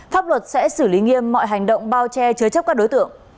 pháp luật sẽ xử lý nghiêm mọi hành động bao che chứa chấp các đối tượng